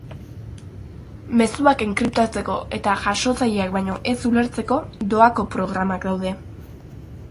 Mezuak enkriptatzeko eta jasotzaileak baino ez ulertzeko doako programak daude.